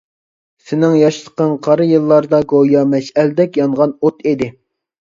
سېنىڭ ياشلىقىڭ قارا يىللاردا، گويا مەشئەلدەك يانغان ئوت ئىدى.